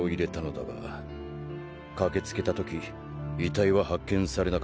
駆けつけた時遺体は発見されなかった。